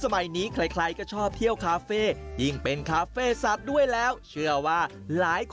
ไปได้ครับเดี๋ยวพาสองสามไปด้วยเลย